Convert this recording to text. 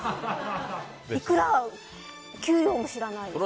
いくら給料も知らないです。